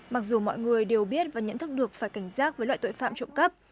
mặc dù mọi người đều biết và nhận thức được phải cảnh giác với loại tội phạm trộm cắp